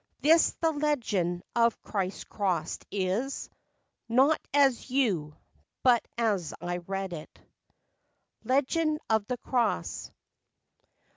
This the legend of Christ's cross is— Not as you, but as I read it. LEGEND OF THE CROSS.